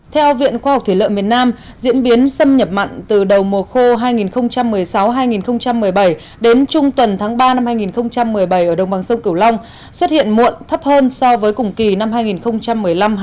theo viện khoa học thủy lợi miền nam diễn biến xâm nhập mặn từ đầu mùa khô hai nghìn một mươi sáu hai nghìn một mươi bảy đến trung tuần tháng ba năm hai nghìn một mươi bảy ở đồng bằng sông cửu long xuất hiện muộn thấp hơn so với cùng kỳ năm hai nghìn một mươi năm hai nghìn một mươi